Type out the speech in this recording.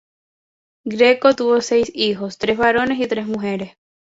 Greco tuvo seis hijos: tres varones y tres mujeres.